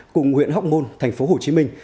cùng huyện hóc môn thành phố hồ chí minh